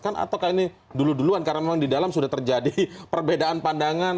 ataukah ini dulu duluan karena memang di dalam sudah terjadi perbedaan pandangan